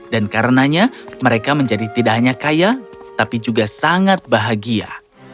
dan karenanya mereka menjadi tidak hanya kaya tapi juga sangat bahagia